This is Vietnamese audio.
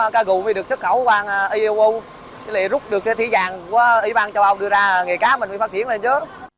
cái gù mới được xuất khẩu qua eu lấy rút được cái thí dạng của ủy ban châu âu đưa ra nghề cá mình mới phát triển lên chứ